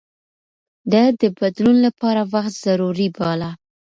ده د بدلون لپاره وخت ضروري باله.